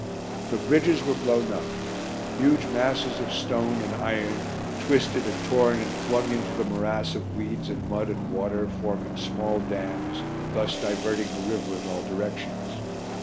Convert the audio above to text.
The bridges were blown up; huge masses of stone and iron, twisted and torn and flung into the morass of weeds and mud and water, forming small dams, thus diverting the river in all directions.